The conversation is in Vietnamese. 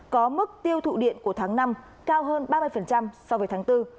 có mức tiêu thụ điện của tháng năm cao hơn ba mươi so với tháng bốn